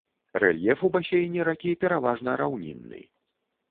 Рэльеф у басейне ракі пераважна раўнінны.